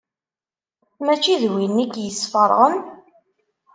Mačči d winna i k-yesfeṛɣen?